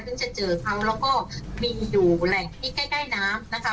จะเจอเขาแล้วก็มีอยู่แหล่งที่ใกล้น้ำนะคะ